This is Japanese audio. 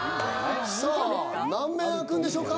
さあ何面あくんでしょうか？